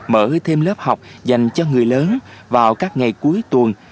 mở thêm lớp học dành cho người lớn vào các ngày cuối tuần